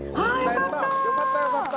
和田：「よかった！よかった！」